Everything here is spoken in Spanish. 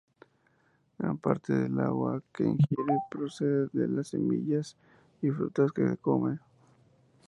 Gran parte del agua que ingiere procede de las semillas y frutas que come.